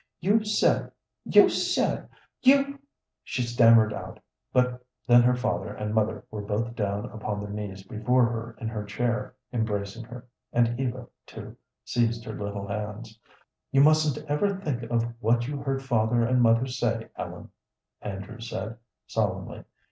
"You said you said you " she stammered out, but then her father and mother were both down upon their knees before her in her chair embracing her, and Eva, too, seized her little hands. "You mustn't ever think of what you heard father and mother say, Ellen," Andrew said, solemnly.